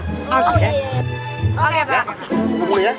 tunggu tunggu tunggu